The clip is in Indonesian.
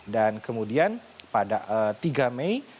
dan kemudian pada tiga mei